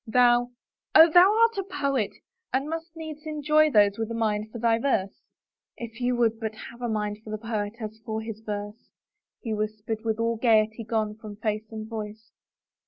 " Thou — Oh, thou art a poet and must needs enjoy those with a mind for thy verse." " If you would but have a mind for the poet as for his verse," he whispered, with all the gayety gone from face and voice.